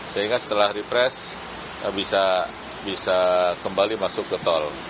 sehingga setelah refresh bisa kembali masuk ke tol